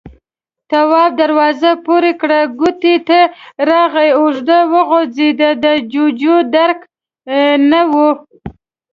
تواب دروازه پورې کړه، کوټې ته راغی، اوږد وغځېد، د جُوجُو درک نه و.